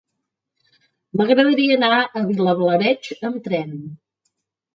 M'agradaria anar a Vilablareix amb tren.